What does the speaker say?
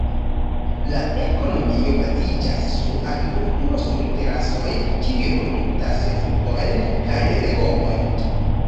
La ekonomio baziĝas sur agrikulturo sur terasoj kiuj produktas fruktojn kaj legomojn.